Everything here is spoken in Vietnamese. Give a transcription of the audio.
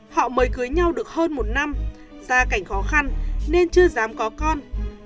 họ mới cưới nhau được hơn một năm gia cảnh khó khăn nên chưa dám có con